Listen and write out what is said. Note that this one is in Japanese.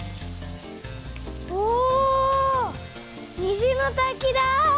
お「にじのたき」だ！